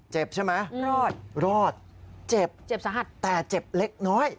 เจ็บใช่ไหมรอดเจ็บสะหัด้าเจ็บเล็กน้อย